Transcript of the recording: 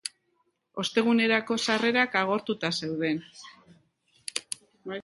Ostegunerako sarrerak agortuta zeuden.